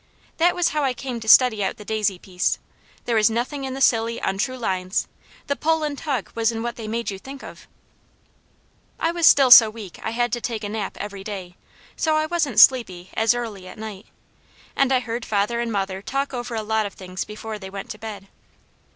That was how I came to study out the daisy piece. There was nothing in the silly, untrue lines: the pull and tug was in what they made you think of. I was still so weak I had to take a nap every day, so I wasn't sleepy as early at night, and I heard father and mother talk over a lot of things before they went to bed.